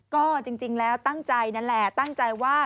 ก็จริงแล้วตั้งใจนั่นแหละตั้งใจว่า